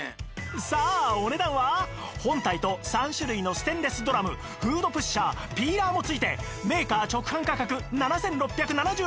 さあお値段は本体と３種類のステンレスドラムフードプッシャーピーラーも付いてメーカー直販価格７６７８円のところ